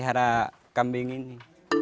saya bisa menyelamatkan kambing ini